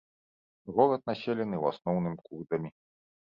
Горад населены ў асноўным курдамі.